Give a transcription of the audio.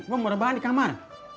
gue mau rebahan di kamar